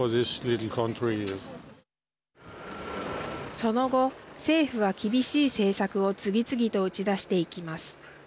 その後、政府は厳しい政策を次々と打ち出していきます。